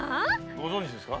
ご存じですか？